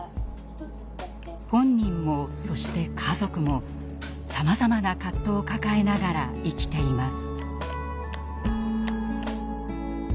本人もそして家族もさまざまな葛藤を抱えながら生きています。